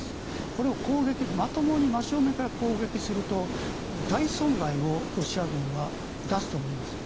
これを、まともに真正面から攻撃すると、大損害をロシア軍は出すと思います。